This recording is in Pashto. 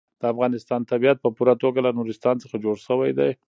د افغانستان طبیعت په پوره توګه له نورستان څخه جوړ شوی دی.